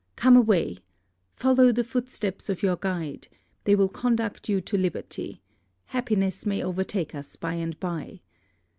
Come away! Follow the footsteps of your guide! They will conduct you to liberty. Happiness may overtake us by and by.